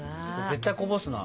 絶対こぼすな。